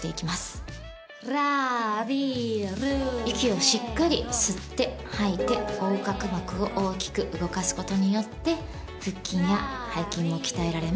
息をしっかり吸って吐いて横隔膜を大きく動かすことによって腹筋や背筋を鍛えられます。